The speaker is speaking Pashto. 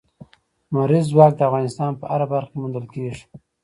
لمریز ځواک د افغانستان په هره برخه کې موندل کېږي.